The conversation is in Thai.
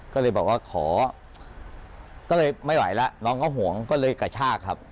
ก็เลยบอกว่าขอก็เลยไม่ไหวแล้วน้องก็ห่วงก็เลยกระชากครับ